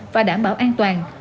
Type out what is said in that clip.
và đảm bảo an toàn